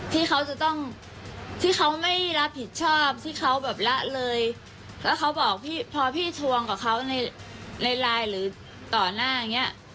เพราะที่เขาไม่รับผิดชอบแล้วพอพี่ทวงกับเขาหรือตอนหน้า